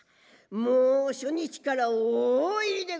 もう初日から大入りでございます。